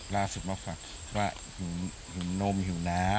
ล่าสุดมาฝากว่าหิมนมหิวนะ